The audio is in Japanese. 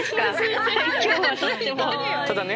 ただね。